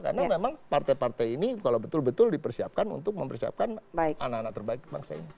karena memang partai partai ini kalau betul betul dipersiapkan untuk mempersiapkan anak anak terbaik bangsa ini